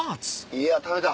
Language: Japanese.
いや食べた。